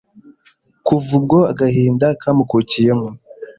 kuva ubwo agahinda kamukukiyemo